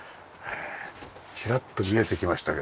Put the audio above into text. チラッと見えてきましたけども。